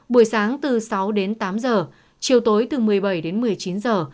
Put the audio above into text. buổi sáng từ sáu đến tám giờ chiều tối từ một mươi bảy đến một mươi chín giờ